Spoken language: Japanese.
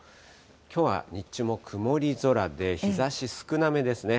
きょうは日中も曇り空で、日ざし少なめですね。